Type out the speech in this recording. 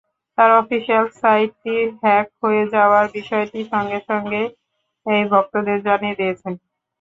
তাঁর অফিশিয়াল সাইটটি হ্যাক হয়ে যাওয়ার বিষয়টি সঙ্গে সঙ্গেই ভক্তদের জানিয়ে দিয়েছেন।